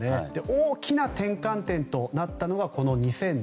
大きな転換点となったのが２００７年。